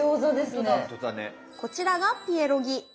こちらがピエロギ。